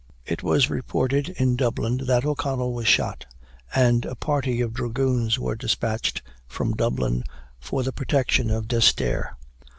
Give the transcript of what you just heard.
It was reported in Dublin that O'Connell was shot; and a party of dragoons were despatched from Dublin, for the protection of D'Esterre.